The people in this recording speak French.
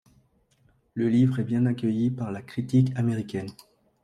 Le livre est bien accueilli par la critique américaine.